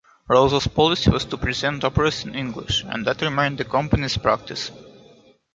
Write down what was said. Rosa's policy was to present operas in English, and that remained the company's practice.